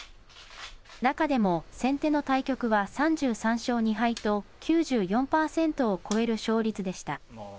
中でも先手の対局は３３勝２敗と９４％を超える勝率でした。